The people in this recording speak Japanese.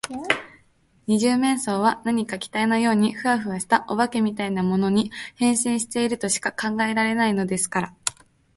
二十面相は何か気体のようにフワフワした、お化けみたいなものに、変身しているとしか考えられないのですから。